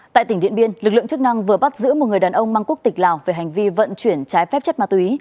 tại tỉnh điện biên lực lượng chức năng vừa bắt giữ một người đàn ông mang quốc tịch lào về hành vi vận chuyển trái phép chất ma túy